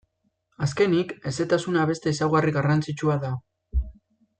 Azkenik, hezetasuna beste ezaugarri garrantzitsua da.